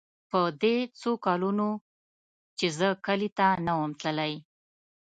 په دې څو کلونو چې زه کلي ته نه وم تللى.